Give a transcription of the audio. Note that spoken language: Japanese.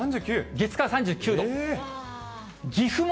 月、火、３９度。